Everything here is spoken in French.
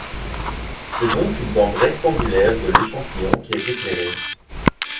C'est donc une bande rectangulaire de l'échantillon qui est éclairée.